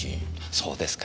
そうですか。